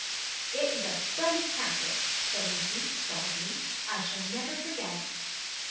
'It was a splendid hamper,' said Lucy, stolidly. 'I shall never forget it.